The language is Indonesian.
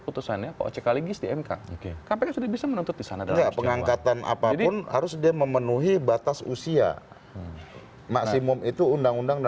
putusannya pak ojk legis di mk kpk sudah bisa menuntut di sana pengangkatan apapun harus dia memenuhi batas usia maksimum itu undang undang